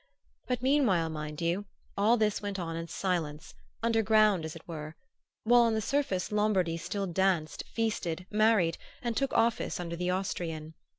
But meanwhile, mind you, all this went on in silence, underground as it were, while on the surface Lombardy still danced, feasted, married, and took office under the Austrian.